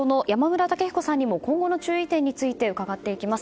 山村武彦さんにも今後の注意点についてうかがっていきます。